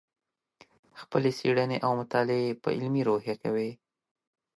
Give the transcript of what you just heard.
خپلې څېړنې او مطالعې په علمي روحیه کوې.